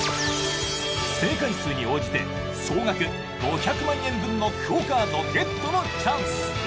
正解数に応じて総額５００万円分のＱＵＯカードゲットのチャンス。